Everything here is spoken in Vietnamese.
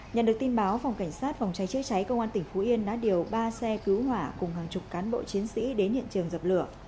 nhận được tin báo phòng cảnh sát phòng cháy chữa cháy công an tỉnh phú yên đã điều ba xe cứu hỏa cùng hàng chục cán bộ chiến sĩ đến hiện trường dập lửa